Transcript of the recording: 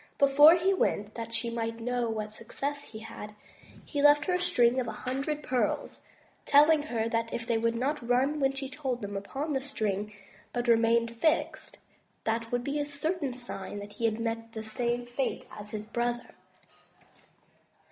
Before he went, that she might know what success he had, he left her a string of a hundred pearls, telling her that if they would not nm when she told them upon the string, but remained fixed, that would be a certain sign that he had met the same fate as his brother.